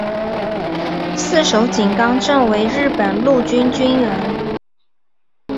四手井纲正为日本陆军军人。